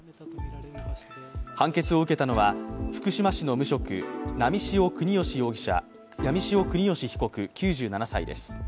判決を受けたのは福島市の無職波汐國芳被告９７歳です。